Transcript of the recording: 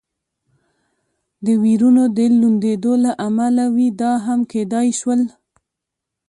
د وېرونو د لوندېدو له امله وي، دا هم کېدای شول.